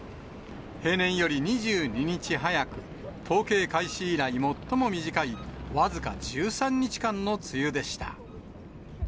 平年より２２日早く、統計開始以来最も短い僅か１３日間の梅雨でした。